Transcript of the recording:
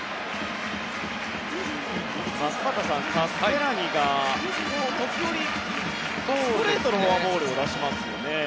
松坂さん、カステラニが時折ストレートのフォアボールを出しますね。